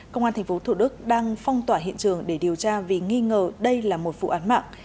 công an tp thủ đức đang phong tỏa hiện trường để điều tra vì nghi ngờ đây là một vụ án mạng